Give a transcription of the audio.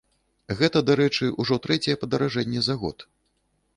Гэта, дарэчы, ужо трэцяе падаражэнне за год.